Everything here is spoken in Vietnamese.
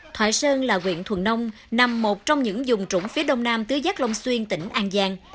thoại sơn là quyện thuần nông nằm một trong những dùng trũng phía đông nam tứ giác long xuyên tỉnh an giang